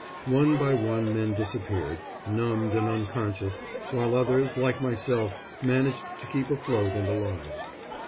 One by one men disappeared, numbed and unconscious, while others, like myself, managed to keep afloat and alive.